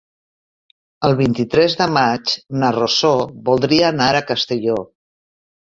El vint-i-tres de maig na Rosó voldria anar a Castelló.